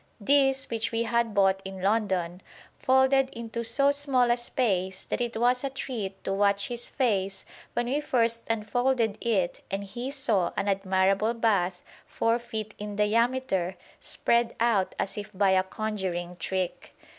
This, which we had bought in London, folded into so small a space that it was a treat to watch his face when we first unfolded it and he saw an admirable bath four feet in diameter, spread out as if by a conjuring trick.